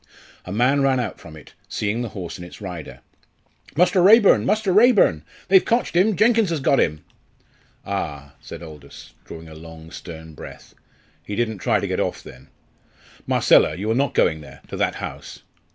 A man ran out from it, seeing the horse and its rider. "Muster Raeburn! Muster Raeburn! They've cotched 'im; Jenkins has got 'im." "Ah!" said Aldous, drawing a long, stern breath; "he didn't try to get off then? Marcella! you are not going there to that house!"